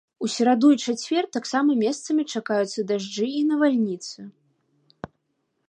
У сераду і чацвер таксама месцамі чакаюцца дажджы і навальніцы.